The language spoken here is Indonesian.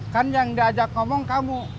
kan yang diajak ngomong kamu